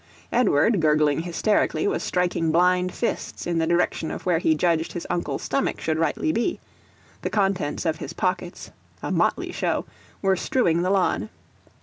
Edward, gurgling hysterically, was striking blind fists in the direction where he judged his uncle's stomach should rightly be; the contents of his pockets a motley show were strewing the lawn.